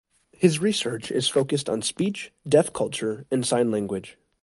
His research is focused on speech, Deaf culture, and sign language.